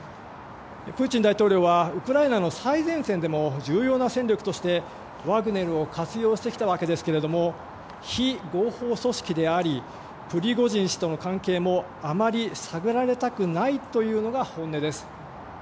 プーチン大統領はウクライナの最前線でも重要な戦力としてワグネルを活用してきましたが非合法組織でありプリゴジン氏との関係もあまり探られたくないというのが本音です。